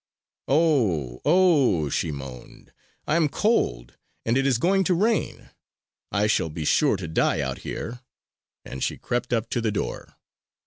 "Oh, oh," she moaned. "I am cold, and it is going to rain! I shall be sure to die out here!" And she crept up to the door.